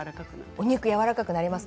お肉やわらかくなりますね。